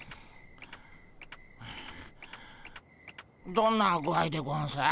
どんな具合でゴンス？